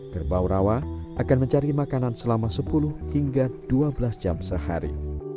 kerbau rawa akan mencari makanan selama sepuluh hingga dua belas jam sehari